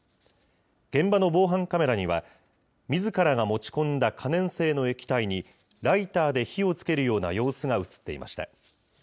現場の防犯カメラには、みずからが持ち込んだ可燃性の液体にライターで火をつけるような様子が写っていました。